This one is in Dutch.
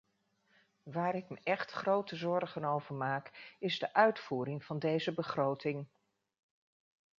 Waar ik me echt grote zorgen over maak is de uitvoering van deze begroting.